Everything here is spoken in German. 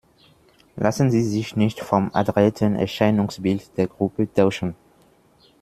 Lassen Sie sich nicht vom adretten Erscheinungsbild der Gruppe täuschen!